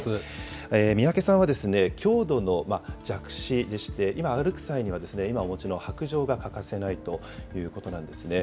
三宅さんは、強度の弱視でして、今、歩く際には、今お持ちの白杖が欠かせないということなんですね。